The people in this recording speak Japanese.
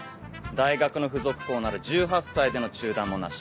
大学の付属校なら１８歳での中断もなし。